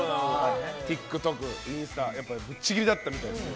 ＴｉｋＴｏｋ、インスタぶっちぎりだったみたいです。